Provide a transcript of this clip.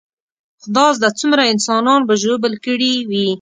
خدا زده څومره انسانان به ژوبل کړي وي.